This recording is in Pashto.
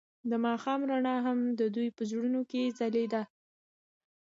د ماښام رڼا هم د دوی په زړونو کې ځلېده.